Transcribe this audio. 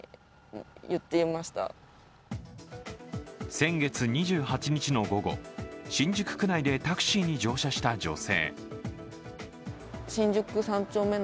先月２８日の午後、新宿区内でタクシーに乗車した女性。